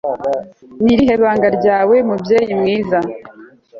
ni irihe banga ryawe mubyeyi mwiza